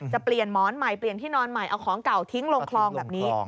จะเปลี่ยนหมอนใหม่เปลี่ยนที่นอนใหม่เอาของเก่าทิ้งลงคลองแบบนี้